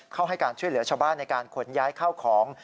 ให้การช่วยเหลือชาวบ้านในการขนย้ายเข้าของ